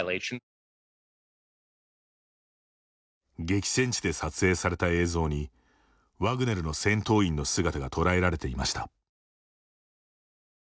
激戦地で撮影された映像にワグネルの戦闘員の姿が捉えられていました。